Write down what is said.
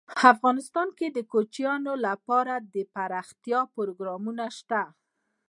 افغانستان کې د کوچیان لپاره دپرمختیا پروګرامونه شته.